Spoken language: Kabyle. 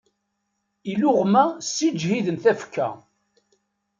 Iluɣma ssiǧhiden tafekka.